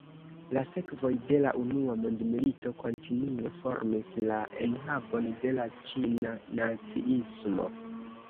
La sekvoj de la Unua Mondmilito kontinue formis la enhavon de la Ĉina naciismo.